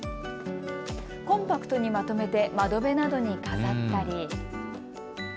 コンパクトにまとめて窓辺などに飾ったり。